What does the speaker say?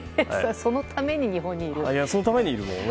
そのために日本にいる。